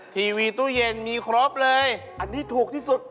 ทีวีตู้เย็นมีครบเลยอันนี้ถูกที่สุด